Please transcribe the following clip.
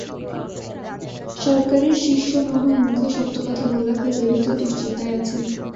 সরকারের শীর্ষ মহল মুখে শক্ত কথা বললেও ভেতরে ভেতরে দুশ্চিন্তায় আছে।